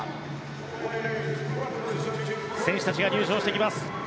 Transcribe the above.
選手たちが入場してきます。